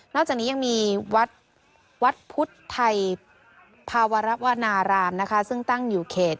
นอกจากนี้ยังมีวัดพุทธไทยภาวราวนารามซึ่งตั้งอยู่เขต